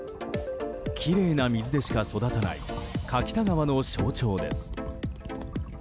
きれいな水でしか育たない柿田川の象徴です。